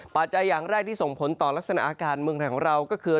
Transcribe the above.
อย่างแรกที่ส่งผลต่อลักษณะอากาศเมืองไทยของเราก็คือ